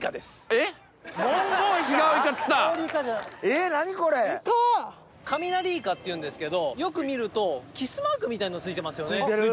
えっ何これ！っていうんですけどよく見るとキスマークみたいのついてますよね。